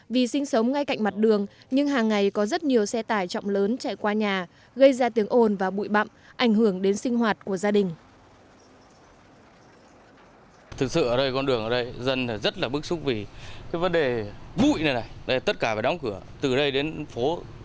vì sinh sống ngay cạnh mặt đường nhưng hàng ngày có rất nhiều xe tải trọng lớn chạy qua nhà gây ra tiếng ồn và bụi bậm ảnh hưởng đến sinh hoạt của gia đình